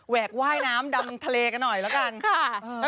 แหวกว่ายน้ำดำทะเลกันหน่อยละกัน